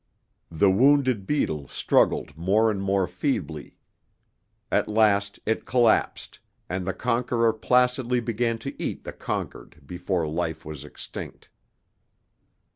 The wounded beetle struggled more and more feebly. At last it collapsed, and the conqueror placidly began to eat the conquered before life was extinct.